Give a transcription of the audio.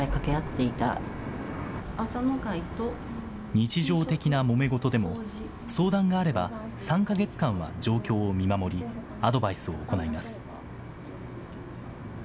日常的なもめ事でも、相談があれば３か月間は状況を見守り、アドバイスを行います。